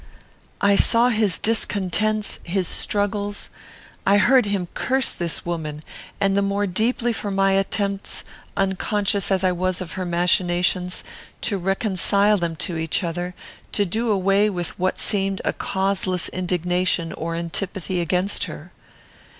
"I saw his discontents; his struggles; I heard him curse this woman, and the more deeply for my attempts, unconscious as I was of her machinations, to reconcile them to each other, to do away what seemed a causeless indignation, or antipathy against her.